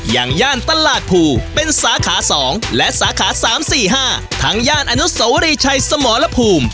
อย่างย่านตลาดภูเป็นสาขาสองและสาขาสามสี่ห้าทั้งย่านอนุสวรีชัยสมรพูม